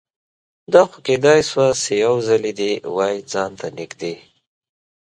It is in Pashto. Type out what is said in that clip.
دا خو کیدای شوه چې یوځلې دې وای ځان ته نږدې